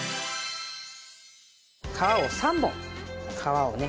皮を３本皮をね